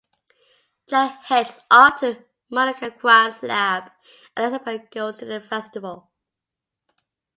Jack heads off to Malavacqua's lab and Elizabeth goes to the festival.